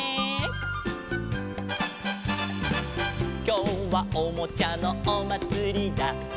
「きょうはおもちゃのおまつりだ」